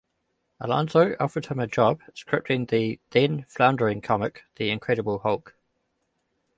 Alonso offered him a job scripting the then-floundering comic "The Incredible Hulk".